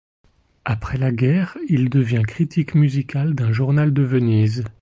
Après la guerre, il devient critique musical d'un journal de Venise.